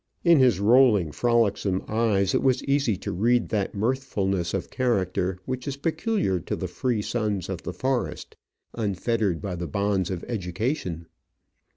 In his rolling, frolicsome eyes it was easy to read that mirthfulness of character which is peculiar to the free sons of the forest, unfettered by the bonds of education.